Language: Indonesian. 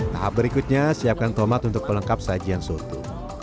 tahap berikutnya siapkan tomat untuk pelengkap sajian soto